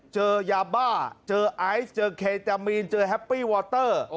เจอยาบ้าเจอไอซ์เจอเคตามีนเจอแฮปปี้วอเตอร์